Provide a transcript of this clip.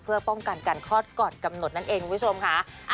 เพื่อป้องกันการคลอดก่อนกำหนดนั่นเองคุณผู้ชมค่ะ